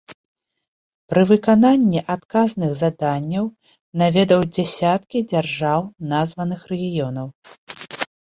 Пры выкананні адказных заданняў наведаў дзясяткі дзяржаў названых рэгіёнаў.